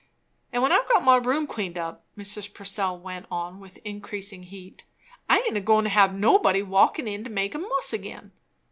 "And when I've got my room cleaned up," Mrs. Purcell went on with increasing heat, "I aint a goin' to have nobody walkin' in to make a muss again.